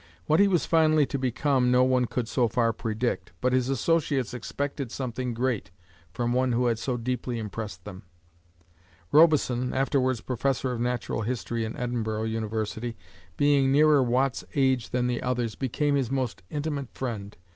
What he was finally to become no one could so far predict, but his associates expected something great from one who had so deeply impressed them. Robison (afterwards Professor of natural history in Edinburgh University), being nearer Watt's age than the others, became his most intimate friend.